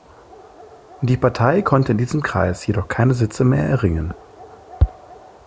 Die Partei konnte in diesem Kreis jedoch keine Sitze mehr erringen.